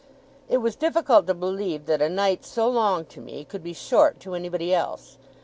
It was difficult to believe that a night so long to me, could be short to anybody else.